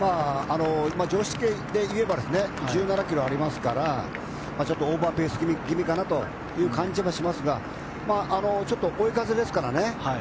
常識でいえば１７ｋｍありますからちょっとオーバーペース気味かなという感じもしますが追い風ですからね。